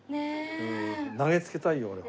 投げつけたいね。